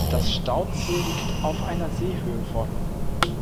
Das Stauziel liegt auf einer Seehöhe von